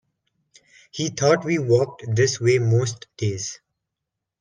He thought we walked this way most days.